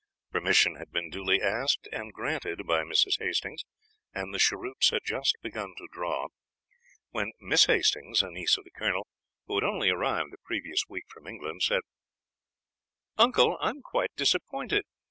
Permission had been duly asked, and granted by Mrs. Hastings, and the cheroots had just begun to draw, when Miss Hastings, a niece of the colonel, who had only arrived the previous week from England, said: "Uncle, I am quite disappointed.